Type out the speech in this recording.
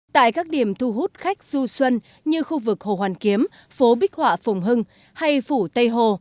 tại các điểm thu hút khách du xuân như khu vực hồ hoàn kiếm phố bích họa phùng hưng hay phủ tây hồ